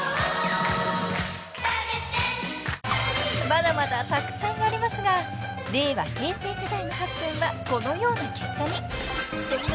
［まだまだたくさんありますが令和平成世代の８選はこのような結果に］